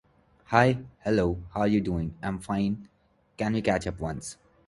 Weekly charts